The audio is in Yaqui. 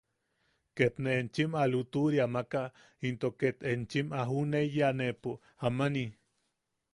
Ket ne enchim a lutuʼuria maka into ket enchim a juʼuneyaneʼepo amani.